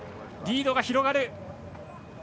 リードが広がる。